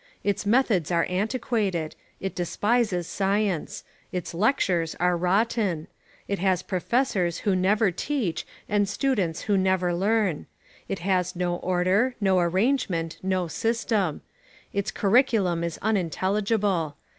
Its methods are antiquated. It despises science. Its lectures are rotten. It has professors who never teach and students who never learn. It has no order, no arrangement, no system. Its curriculum is unintelligible.